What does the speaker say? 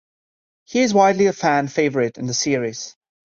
He is widely a fan favorite in the series.